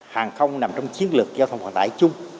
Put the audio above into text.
hàng không nằm trong chiến lược giao thông hòa tải chung